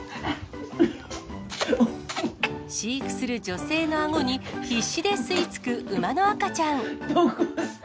飼育する女性のあごに必死で吸いつく馬の赤ちゃん。